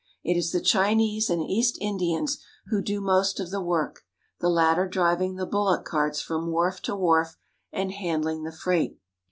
It is the Chinese and East Indians who do most of the work, the latter driving the bullock carts from wharf to wharf and handling the freight.